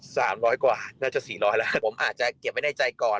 สามร้อยกว่าน่าจะสี่ร้อยแล้วผมอาจจะเก็บไว้ในใจก่อน